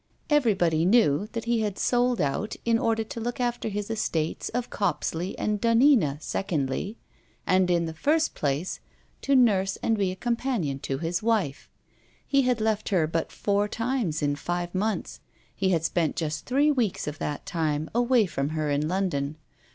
Everybody knew that he had sold out in order to look after his estates of Copsley and Dunena, secondly: and in the first place, to nurse and be a companion to his wife. He had left her but four times in five months; he had spent just three weeks of that time away from her in London.